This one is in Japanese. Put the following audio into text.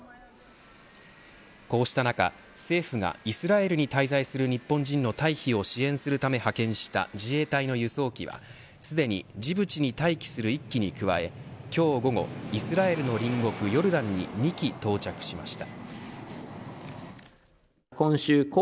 こうした中、政府がイスラエルに滞在する日本人の退避を支援するため派遣した自衛隊の輸送機はすでにジブチに退避する１機に加え今日午後イスラエルの隣国ヨルダンに２機、到着しました。